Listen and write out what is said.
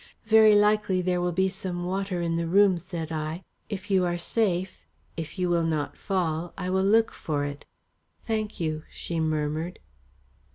"Very likely there will be some water in the room," said I. "If you are safe, if you will not fall, I will look for it." "Thank you," she murmured.